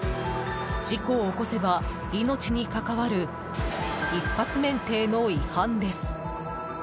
事故を起こせば命に関わる一発免停の違反です。